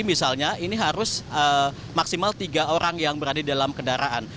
misalnya ini harus maksimal tiga orang yang berada dalam kendaraan